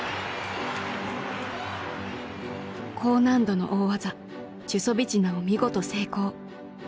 高難度の大技チュソビチナを見事成功。